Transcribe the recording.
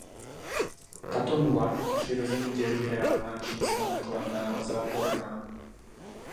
Tato nula pak přirozeně dělí reálná čísla na kladná a záporná.